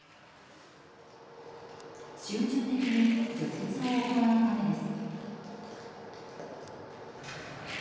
集中的に除雪を行うためです。